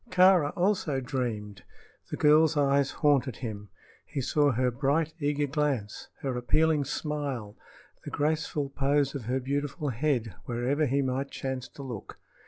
Kāra also dreamed. The girl's eyes haunted him. He saw her bright, eager glance, her appealing smile, the graceful pose of her beautiful head wherever he might chance to look.